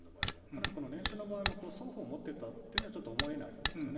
だから、この念書の場合も、双方が持ってたとはちょっと思えないんですよね。